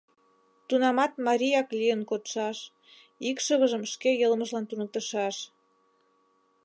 — Тунамат марияк лийын кодшаш, икшывыжым шке йылмыжлан туныктышаш...